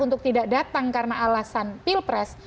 untuk tidak datang karena alasan pilpres